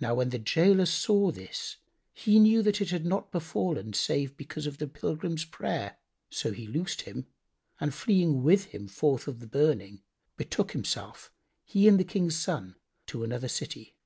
Now when the gaoler saw this, he knew that it had not befallen save because of the pilgrim's prayer; so he loosed him and fleeing with him forth of the burning, betook himself, he and the King's son, to another city.